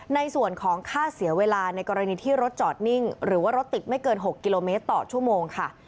ในส่วนของค่าเสียเวลาในกรณีที่รถจอดนิ่งหรือว่ารถติดไม่เกิน๖กิโลเมตรต่อชั่วโมงค่ะ